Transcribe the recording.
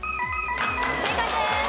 正解です。